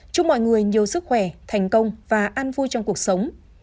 chúc mọi người nhiều sức khỏe thành công và an vui trong cuộc sống